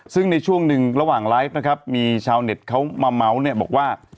ซึ่งในช่วงหนึ่งระหว่างไลฟ์นะครับมีชาวเน็ตเขามาเมาส์เนี่ยบอกว่า